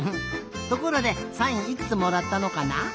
ところでサインいくつもらったのかな？